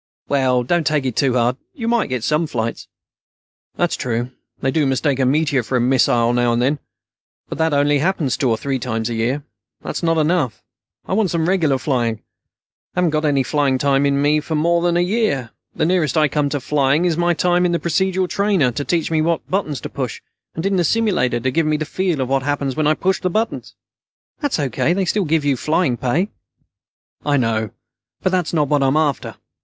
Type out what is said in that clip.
"Well, don't take it too hard. You might get some flights." "That's true. They do mistake a meteor for a missile now and then. But that happens only two or three times a year. That's not enough. I want some regular flying. I haven't got any flying time in for more than a year. The nearest I come to flying is my time in the procedural trainer, to teach me what buttons to push, and in the simulator, to give me the feel of what happens when I push the buttons." "That's O.K. They still give you your flying pay." "I know, but that's not what I'm after.